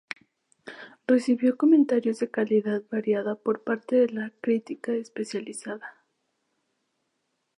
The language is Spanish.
Recibió comentarios de calidad variada por parte de la crítica especializada.